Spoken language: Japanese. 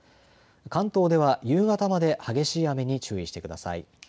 関東では夕方まで、激しい雨に注意してください。